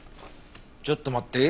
ちょっと待って。